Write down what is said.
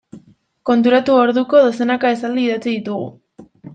Konturatu orduko dozenaka esaldi idatzi ditugu.